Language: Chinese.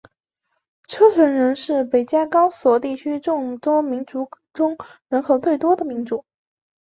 车臣人是北高加索地区众多民族中人口最多的民族。